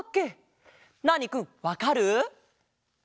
ナーニくんわかる？